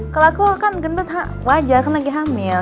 kalau aku kan gendut wajar kan lagi hamil